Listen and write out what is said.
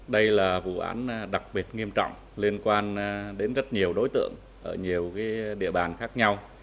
đây là vụ án đặc biệt nghiêm trọng liên quan đến rất nhiều đối tượng ở nhiều địa bàn khác nhau